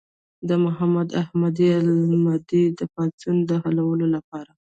د محمد احمد المهدي د پاڅون د حلولو لپاره.